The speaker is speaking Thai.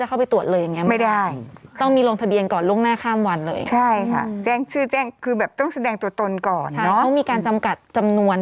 ใช่ก็มีการจำกัดจำนวน